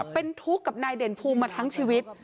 เป็นทุกข์กับนายเด่นภูมิมาทั้งชีวิต